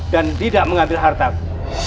dan tidak mengambil hartaku